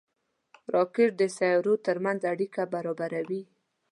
راکټ د سیارو ترمنځ اړیکه برابروي